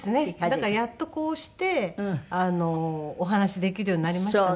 だからやっとこうしてお話しできるようになりましたね。